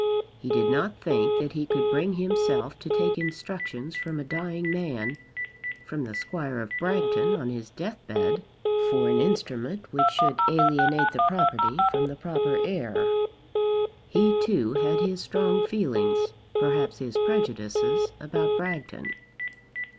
He did not think that he could bring himself to take instructions from a dying man, from the Squire of Bragton on his death bed, for an instrument which should alienate the property from the proper heir. He too had his strong feelings, perhaps his prejudices, about Bragton.